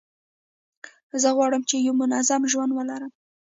زه غواړم چي یو منظم ژوند ولرم.